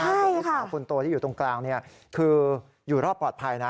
ใช่ค่ะลูกสาวคนโตที่อยู่ตรงกลางเนี่ยคืออยู่รอบปลอดภัยนะ